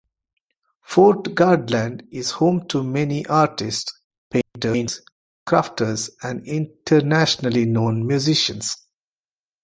Fort Garland is home to many artists, painters, crafters and internationally known musicians.